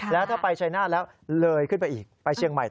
แล้วถ้าไปชัยนาธแล้วเลยขึ้นไปอีกไปเชียงใหม่